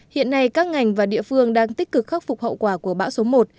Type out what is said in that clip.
hiện nay các ngành và địa phương đang tích cực khắc phục hậu quả của bão số một